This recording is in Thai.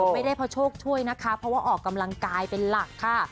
ไม่ได้เพราะโชคช่วยนะคะเพราะว่าออกกำลังกายเป็นหลักค่ะ